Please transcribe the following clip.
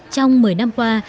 trong một mươi năm qua